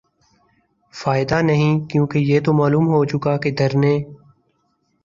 فائدہ نہیں کیونکہ یہ تو معلوم ہوچکا کہ دھرنے